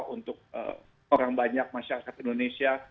untuk orang banyak masyarakat indonesia